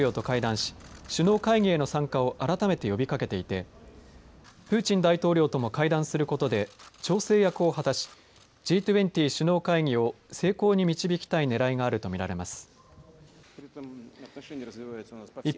ジョコ大統領はこの前日にはウクライナを訪れてゼレンスキー大統領と会談し首脳会議への参加を改めて呼びかけていてプーチン大統領とも会談することで調整役を果たしＧ２０の首脳会議を成功に導きたいねらいがあると見られます。